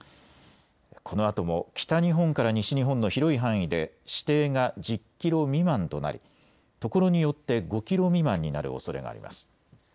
このあとも北日本から西日本の広い範囲で視程が１０キロ未満となり、ところによって５キロ未満になるおそれがあります。